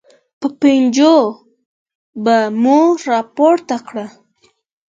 په پنجو به مو راپورته کړل.